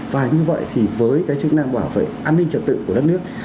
và như vậy thì với cái chức năng bảo vệ an ninh trật tự của đất nước